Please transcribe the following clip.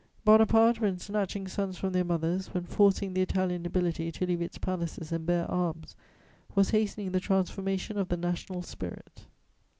Bonaparte, when snatching sons from their mothers, when forcing the Italian nobility to leave its palaces and bear arms, was hastening the transformation of the national spirit.